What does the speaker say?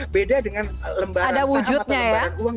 beda dengan lembaran saat atau lembaran uang